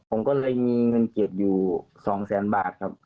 ผมก็เลยมีเงินเก็บอยู่๒แสนบาทครับ